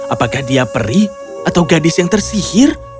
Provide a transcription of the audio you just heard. apakah dia peri atau gadis yang tersihir